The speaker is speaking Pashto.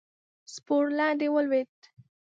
سپور لاندې ولوېد.